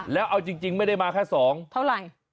แล้วเอาจริงไม่ได้มาแค่๒เท่าไหร่